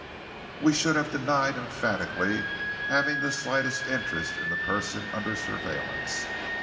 We should have denied emphatically having the slightest interest in the person under surveillance.